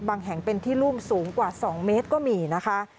แห่งเป็นที่รุ่มสูงกว่า๒เมตรก็มีนะคะ